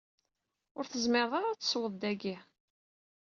Ur tezmireḍ ara ad tesweḍ dagi.